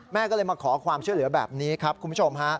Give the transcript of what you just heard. แม่ก็เลยมาขอความช่วยเหลือแบบนี้ครับคุณผู้ชมฮะ